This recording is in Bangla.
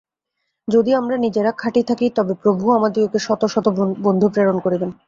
যদি আমরা নিজেরা খাঁটি থাকি, তবে প্রভুও আমাদিগকে শত শত বন্ধু প্রেরণ করিবেন।